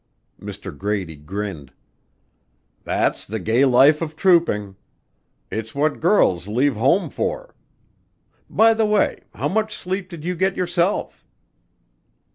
Mr. Grady grinned. "That's the gay life of trouping. It's what girls leave home for. By the way, how much sleep did you get yourself?"